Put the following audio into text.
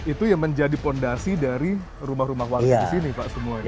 itu yang menjadi fondasi dari rumah rumah warga di sini pak semuanya